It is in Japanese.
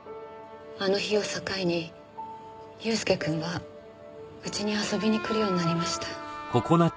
あの日を境に祐介くんはうちに遊びに来るようになりました。